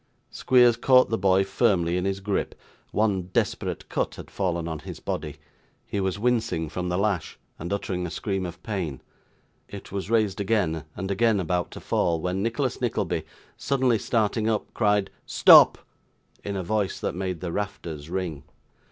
Squeers caught the boy firmly in his grip; one desperate cut had fallen on his body he was wincing from the lash and uttering a scream of pain it was raised again, and again about to fall when Nicholas Nickleby, suddenly starting up, cried 'Stop!' in a voice that made the rafters ring.